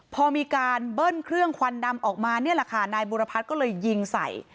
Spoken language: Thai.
พอมีการเบิ้ลเครื่องควันดำออกมานี่แหละค่ะนายบุรพัฒน์ก็เลยยิงใส่